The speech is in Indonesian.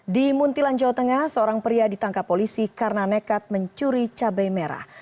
di muntilan jawa tengah seorang pria ditangkap polisi karena nekat mencuri cabai merah